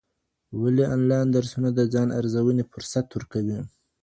ولي انلاين درسونه د ځان ارزونې فرصت ورکوي؟